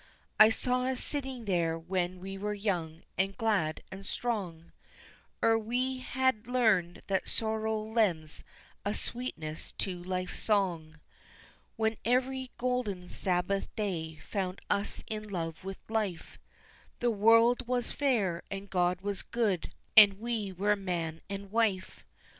I saw us sitting there when we were young, and glad, and strong, Ere we had learned that sorrow lends a sweetness to life's song When every golden Sabbath day found us in love with life The world was fair, and God was good, and we were man and wife.